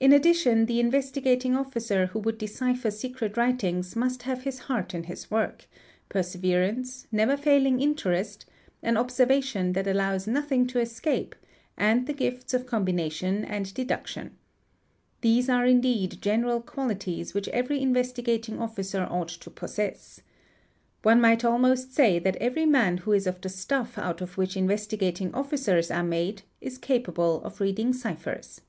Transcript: In addition the Investigating Officer who would decipher secret writings must have his heart in his 7 work, perseverance, never failing interest; an observation that allows _ nothing to escape, and the gifts of combination and deduction. These are indeed general qualities which every Investigating Officer ought to 'possess. One might almost say that every man who is of the stuff out of 4 which Investigating Officers are made is capable of reading ciphers.